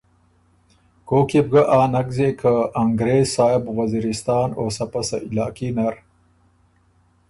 کوک يې بو ګۀ آ نک زېک که انګرېز صاحب وزیرستان او سۀ پسۀ علاقي نر